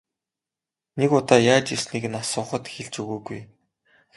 Нэг удаа яаж ирснийг нь асуухад хэлж өгөөгүй.